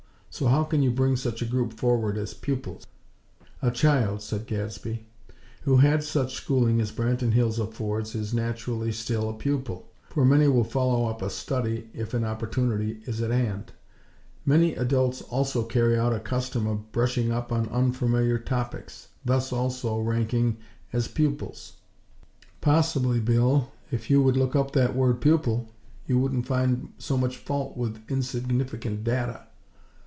So how can you bring such a group forward as 'pupils?'" "A child," said Gadsby, "who had such schooling as Branton Hills affords is, naturally, still a pupil; for many will follow up a study if an opportunity is at hand. Many adults also carry out a custom of brushing up on unfamiliar topics; thus, also, ranking as pupils. Possibly, Bill, if you would look up that word 'pupil,' you wouldn't find so much fault with insignificant data."